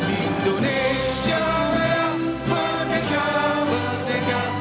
indonesia raya merdeka merdeka